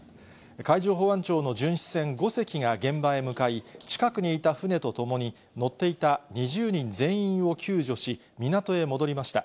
海上保安庁の巡視船５隻が現場へ向かい、近くにいた船とともに、乗っていた２０人全員を救助し、港へ戻りました。